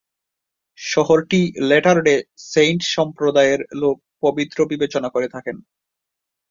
শহরটি letter day saint সম্প্রদায়ের লোক পবিত্র বিবেচনা করে থাকেন।